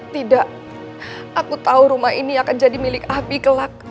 tidak aku tahu rumah ini akan jadi milik api kelak